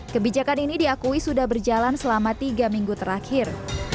kebijakan ini diakui sudah berjalan selama tiga minggu terakhir